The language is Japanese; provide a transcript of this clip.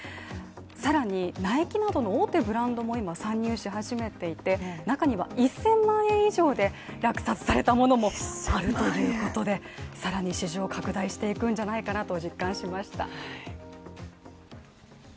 さらに、ナイキなどの大手ブランドも今参入し始めていて、中には１０００万円以上で落札されたものもあるということで、さらに市場を拡大していくんじゃないかなと実感しました。